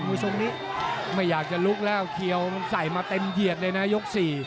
ทรงนี้ไม่อยากจะลุกแล้วเขียวมันใส่มาเต็มเหยียดเลยนะยก๔